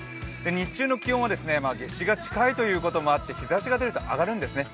日中の気温は夏至が近いこともあって日ざしが出ると上がるんですね